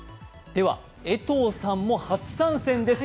では江藤さんも初参戦です。